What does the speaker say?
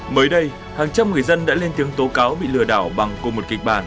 mới đây hàng trăm người dân đã lên tiếng tố cáo bị lừa đảo bằng cùng một kịch bản